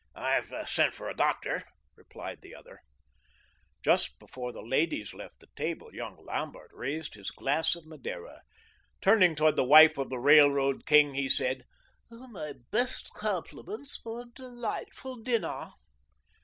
"I've sent for a doctor," replied the other. Just before the ladies left the table, young Lambert raised his glass of Madeira. Turning towards the wife of the Railroad King, he said: "My best compliments for a delightful dinner."